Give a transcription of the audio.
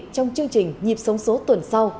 trong chương trình nhịp sống số tuần sau